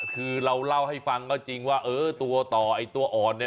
คือเราเล่าให้ฟังก็จริงว่าเออตัวต่อไอ้ตัวอ่อนเนี่ย